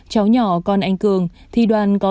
cháu nhỏ con anh cường thì đoàn có